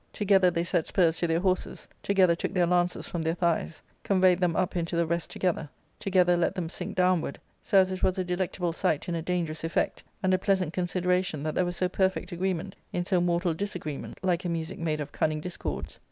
291 together they set spurs to their horses, together took their lances from their thighs, conveyed them up into the rest together, together let them sink downward, so as it was a delectable sight in a dangerous effect, and a pleasant consi deration that there was so perfect agreement in so mortal disagreement, like a music made of cunning discords.